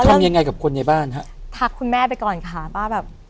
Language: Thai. ทำยังไงกับคนในบ้านฮะทักคุณแม่ไปก่อนค่ะว่าแบบ